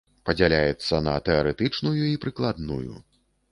Падзяляецца на тэарэтычную і прыкладную.